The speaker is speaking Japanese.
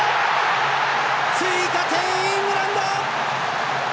追加点、イングランド！